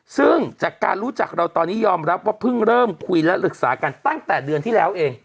ซึ่งจากการรู้จักเราตอนนี้ยอมรับว่าเพิ่งเริ่มคุยและปรึกษากันตั้งแต่เดือนที่แล้วเอง